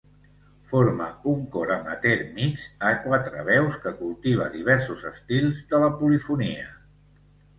Forma un cor amateur mixt a quatre veus que cultiva diversos estils de la polifonia.